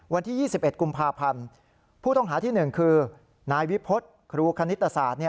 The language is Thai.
วันที่๒๑กุมภาพันธ์ผู้ต้องหาที่๑คือนายวิพฤษครูคณิตศาสตร์